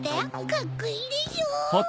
カッコいいでしょ！